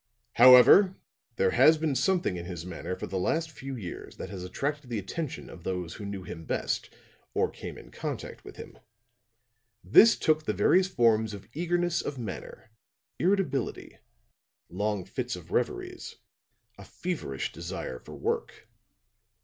"'However, there has been something in his manner for the last few years that has attracted the attention of those who knew him best or came in contact with him. This took the various forms of eagerness of manner, irritability, long fits of reveries, a feverish desire for work.